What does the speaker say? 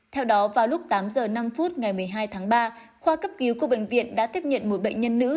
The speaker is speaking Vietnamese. theo đó vào lúc tám giờ năm phút ngày một mươi hai tháng ba khoa cấp cứu của bệnh viện đã tiếp nhận một bệnh nhân nữ